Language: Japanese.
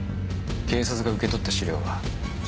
警察が受け取った資料は処分した。